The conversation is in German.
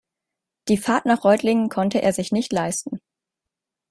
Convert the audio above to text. Die Fahrt nach Reutlingen konnte er sich nicht leisten